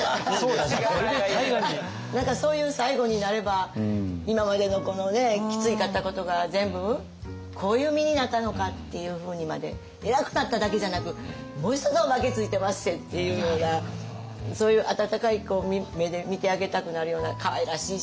何かそういう最後になれば今までのこのきついかったことが全部こういう実になったのかっていうふうにまで偉くなっただけじゃなくもう一つおまけついてまっせっていうようなそういうかいらしいわ！